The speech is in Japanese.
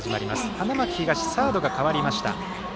花巻東、サードが代わりました。